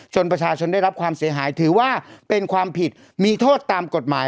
ประชาชนได้รับความเสียหายถือว่าเป็นความผิดมีโทษตามกฎหมาย